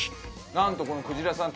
なんとこのくじらさん